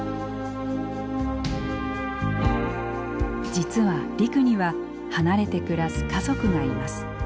実はリクには離れて暮らす家族がいます。